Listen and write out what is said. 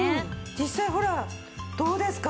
実際ほらどうですか？